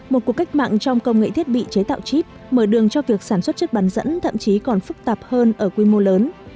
một cuộc cách mạng trong công nghệ thiết bị chế tạo chip mở đường cho việc sản xuất chất bán dẫn thậm chí còn phức tạp hơn ở quy mô lớn